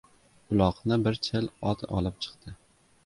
Uloqni bir Chil ot olib chiqdi.